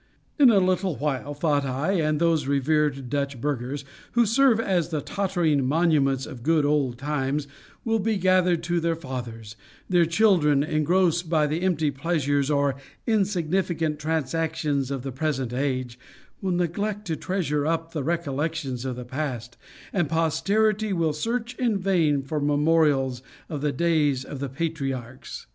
In a little while, thought I, and those revered Dutch burghers, who serve as the tottering monuments of good old times, will be gathered to their fathers; their children, engrossed by the empty pleasures or insignificant transactions of the present age, will neglect to treasure up the recollections of the past, and posterity will search in vain for memorials of the days of the Patriarchs.